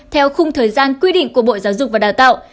theo khung thời gian quy định của bộ giáo dục và đào tạo